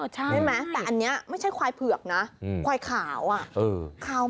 ใช่ไหมแต่อันนี้ไม่ใช่ควายเผือกนะควายขาวอ่ะ